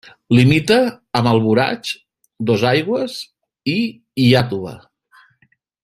Limita amb Alboraig, Dosaigües i Iàtova.